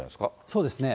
そうですね。